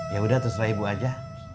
ya udah terserah ibu aja